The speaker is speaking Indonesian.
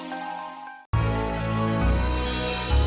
lu sih mau nikah